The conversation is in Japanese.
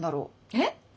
えっ？